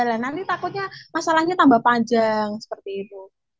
nah nanti takutnya masalahnya tambah panjang seperti itu